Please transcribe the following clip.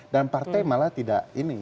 dan partai malah tidak ini